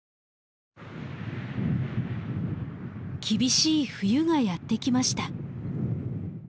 厳しい冬がやってきました。